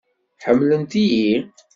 Ḥemmlent-iyi?